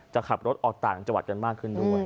จะขับรถออกต่างจังหวัดกันมากขึ้นด้วย